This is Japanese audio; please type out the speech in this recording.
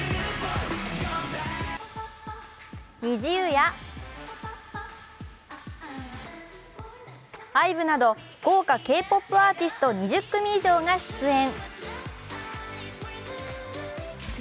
ＮｉｚｉＵやＩＶＥなど豪華Ｋ−ＰＯＰアーティスト２０組以上が出演。